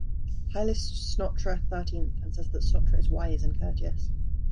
High lists Snotra thirteenth, and says that Snotra is wise and courteous.